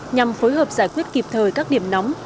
nhằm phối hợp giải quyết kịp thời các điểm nóng